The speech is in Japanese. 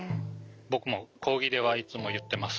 僕も講義ではいつも言ってます。